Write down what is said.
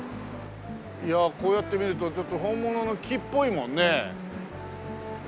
いやあこうやって見るとちょっと本物の木っぽいもんね。